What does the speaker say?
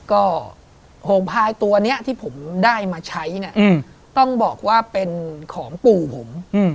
ก็โหงพายตัวนี้ที่ผมได้มาใช้เนี่ยต้องบอกว่าเป็นของปู่ผม